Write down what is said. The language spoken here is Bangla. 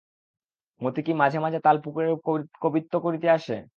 মতি কি মাঝে মাঝে তালপুকুরে কবিত্ব করিতে আসে?